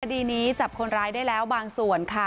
คดีนี้จับคนร้ายได้แล้วบางส่วนค่ะ